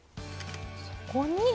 そこに。